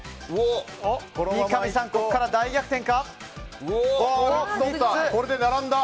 三上さん、ここから大逆転か？